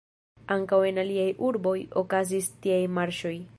Ankaŭ en aliaj urboj okazis tiaj marŝoj.